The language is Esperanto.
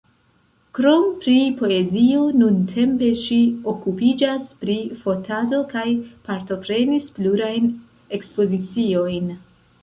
Krom pri poezio, nuntempe ŝi okupiĝas pri fotado, kaj partoprenis plurajn ekspoziciojn.